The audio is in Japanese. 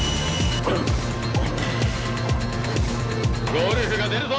ゴルフが出るぞ！